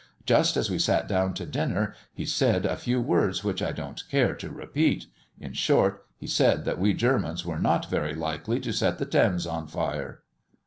Just as we sat down to dinner he said a few words which I don't care to repeat. In short, he said that we Germans were not very likely to set the Thames on fire."